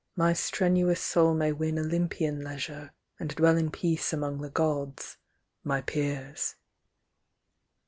My strenuous soul may win Olympian leisure, And dwell in peace among the Gods, my peers.